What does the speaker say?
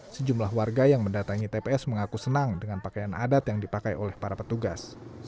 sejumlah warga yang mendatangi tps mengaku senang dengan pakaian adat yang dipakai oleh para petugas